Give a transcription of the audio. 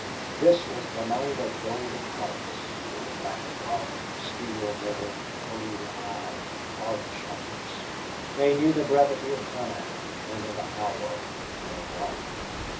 This was the night of golden harvest for the black garbed, steel nerved, cold eyed card sharps. They knew the brevity of time, and of hour, and of life.